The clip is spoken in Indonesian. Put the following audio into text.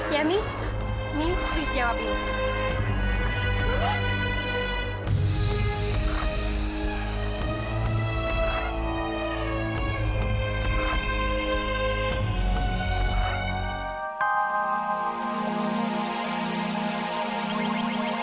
ya mi mi tris jawab dulu